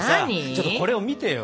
ちょっとこれを見てよ。